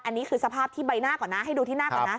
อันนี้คือสภาพที่ใบหน้าก่อนนะให้ดูที่หน้าก่อนนะ